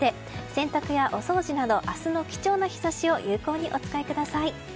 洗濯やお掃除など明日の貴重な日差しを有効にお使いください。